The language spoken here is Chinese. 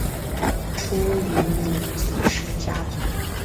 出云尼子氏的家祖。